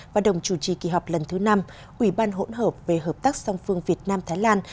và đồng chủ trì kỳ họp lần thứ năm ủy ban hỗn hợp về hợp tác song phương việt nam thái lan